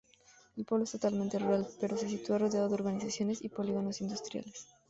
El pueblo es totalmente rural, pero se sitúa rodeado de urbanizaciones y polígonos industriales.